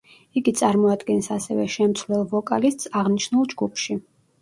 იგი წარმოადგენს ასევე შემცვლელ ვოკალისტს აღნიშნულ ჯგუფში.